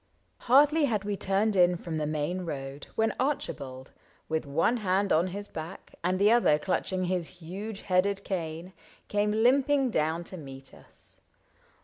Hardly had we turned in from the main road When Archibald, with one hand on his back And the other clutching his huge headed cane. Came limping down to meet us.